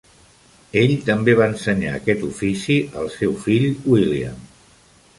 Ell també va ensenyar aquest ofici al seu fill William.